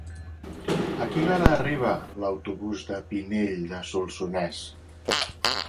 A quina hora arriba l'autobús de Pinell de Solsonès?